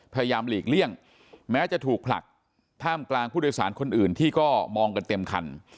หลีกเลี่ยงแม้จะถูกผลักท่ามกลางผู้โดยสารคนอื่นที่ก็มองกันเต็มคัน